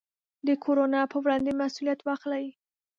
د کورونا پر وړاندې مسوولیت واخلئ.